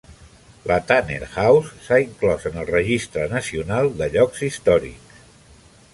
La Tanner House s'ha inclòs en el Registre nacional de llocs històrics.